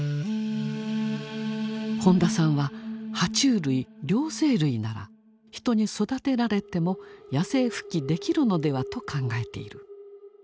本田さんはは虫類両生類なら人に育てられても野生復帰できるのではと考えている。